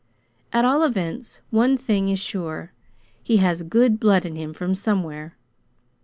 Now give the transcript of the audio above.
At all events, one thing is sure: he has good blood in him from somewhere.